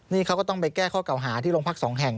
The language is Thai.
นี่เขาก็ต้องไปแก้ข้อเก่าหาที่โรงพักสองแห่ง